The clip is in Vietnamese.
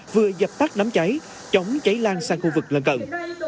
vừa dập tắt đám cháy chống cháy lan sang khu vực lân cận